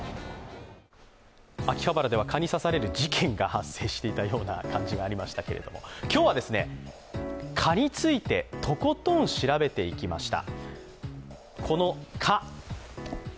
秋葉原では蚊に刺される事件が発生していたような感じがありましたけれども、今日は蚊についてとことん調べてきました。